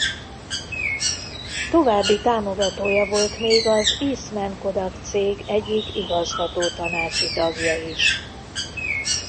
További támogatója volt még az Eastman Kodak cég egyik igazgatótanácsi tagja is.